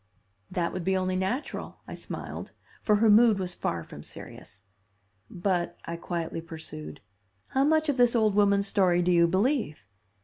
"That would be only natural," I smiled, for her mood was far from serious. "But," I quietly pursued, "how much of this old woman's story do you believe?